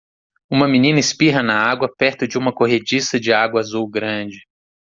Uma menina espirra na água perto de uma corrediça de água azul grande.